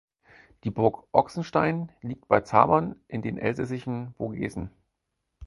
Die Burg Ochsenstein liegt bei Zabern in den elsässischen Vogesen.